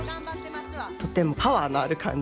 とてもパワーのある感じ。